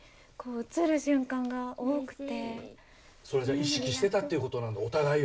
意識してたっていうことなんだお互いが。